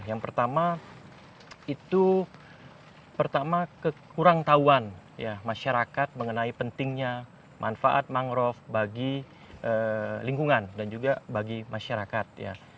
yang pertama itu pertama kekurang tahuan masyarakat mengenai pentingnya manfaat mangrove bagi lingkungan dan juga bagi masyarakat